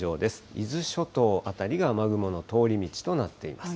伊豆諸島辺りが雨雲の通り道となっています。